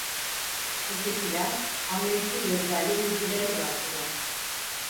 Ötekiler anlayışlı gözlerle birbirlerine baktılar.